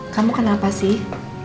kamu kenapa sih